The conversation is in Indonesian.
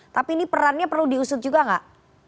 tapi ini perannya perlu diusut juga nggak